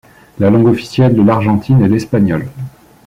La langue officielle de l'Argentine est l'espagnol.